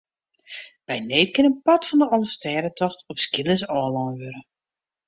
By need kin in part fan de Alvestêdetocht op skeelers ôflein wurde.